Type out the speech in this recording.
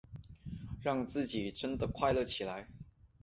让自己真的快乐起来